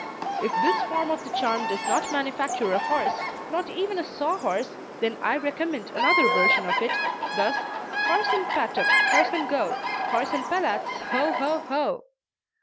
If this form of the charm does not manufacture a horse, not even a saw horse, then I recommend another version of it, thus: "Horse and pattock, horse and go! Horse and pellats, ho, ho, ho!"